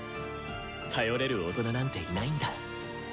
頼れる大人なんていないんだ。